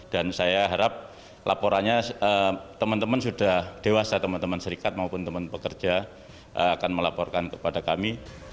dan saya harap laporannya teman teman sudah dewasa teman teman serikat maupun teman teman pekerja akan melaporkan kepada kami